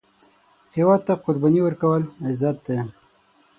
هیواد ته قرباني ورکول، عزت دی